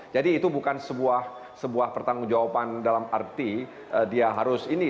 jadi itu bukan sebuah pertanggung jawaban dalam arti dia harus ini